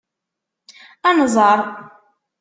Ad nẓeṛ.